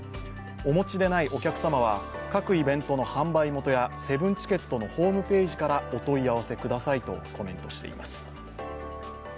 お持ちでないお客様は各イベントの販売元やセブンチケットのホームページからお問い合わせくださいとコメントしています。